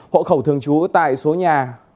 hộ khẩu thường trú tại số nhà